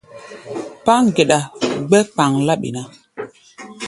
Páŋ geɗa gbɛ́ kpaŋ-láɓi ná.